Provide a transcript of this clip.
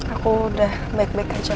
aku udah baik baik aja